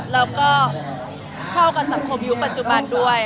แล้วก็เข้ากับสังคมยุคปัจจุบันด้วย